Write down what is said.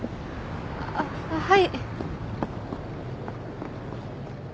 あっはい。